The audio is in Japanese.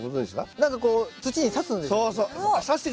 なんかこう土に刺すんですよね。